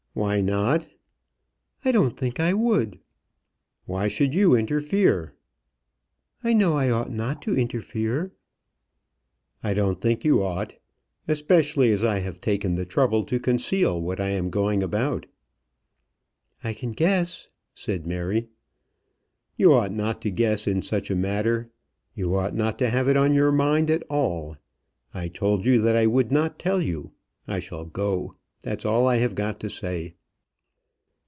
"Why not?" "I don't think I would." "Why should you interfere?" "I know I ought not to interfere." "I don't think you ought. Especially as I have taken the trouble to conceal what I am going about." "I can guess," said Mary. "You ought not to guess in such a matter. You ought not to have it on your mind at all. I told you that I would not tell you. I shall go. That's all that I have got to say."